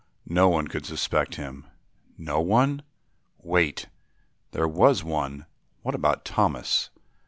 No one could suspect him. No one? Wait! There was one. What about Thomas?